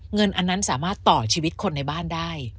เงินอันนั้นสามารถต่อชีวิตคนในบ้านได้